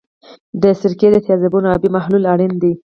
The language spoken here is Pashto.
د سرکې د تیزابو آبي محلول اړین دی.